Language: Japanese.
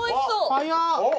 早っ！